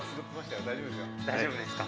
大丈夫ですよ。